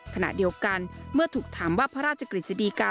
ขณะเดียวกันเมื่อถูกถามว่าพระราชกฤษฎีกา